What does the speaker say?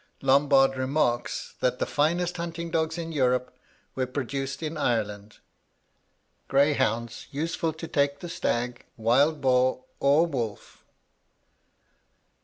Lombard remarks, that the finest hunting dogs in Europe were produced in Ireland: 'Greyhounds useful to take the stag, wild boar, or wolf.'